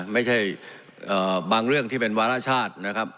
ไม่ใช่บางเรื่องที่เป็นวาระชาตินะครับ